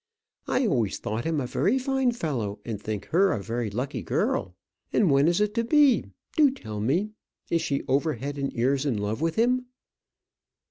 I always thought him a very fine fellow, and I think her a very lucky girl. And when is it to be? And, do tell me, is she over head and ears in love with him?"